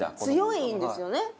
強いんですよね。